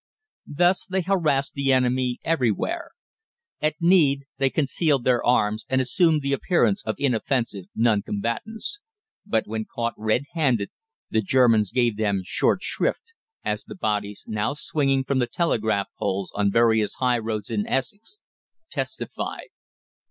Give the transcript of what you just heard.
Thus they harassed the enemy everywhere. At need they concealed their arms and assumed the appearance of inoffensive non combatants. But when caught red handed the Germans gave them "short shrift," as the bodies now swinging from telegraph poles on various high roads in Essex testified.